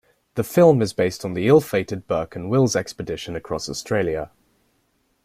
The film is based on the ill-fated Burke and Wills expedition across Australia.